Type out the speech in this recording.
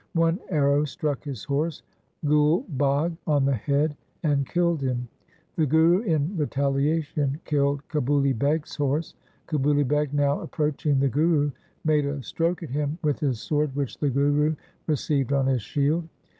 One arrow struck his horse, Gul Bagh, on the head and killed him. The Guru in retalia tion killed Kabuli Beg's horse. Kabuli Beg now approaching the Guru made a stroke at him with his sword, which the Guru received on his shield.